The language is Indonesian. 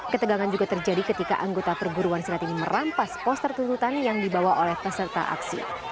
ketegangan juga terjadi ketika anggota perguruan silat ini merampas poster tuntutan yang dibawa oleh peserta aksi